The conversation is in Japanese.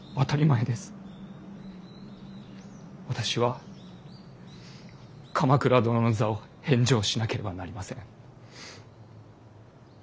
私は鎌倉殿の座を返上しなければなりません。